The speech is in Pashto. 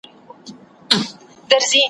د ښکاري د تور په منځ کي کښېنستلې ,